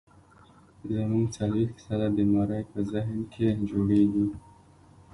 زمونږ څلوېښت فيصده بيمارۍ پۀ ذهن کښې جوړيږي